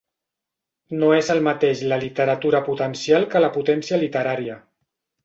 No és el mateix la literatura potencial que la potència literària.